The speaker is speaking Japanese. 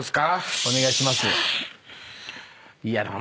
お願いします。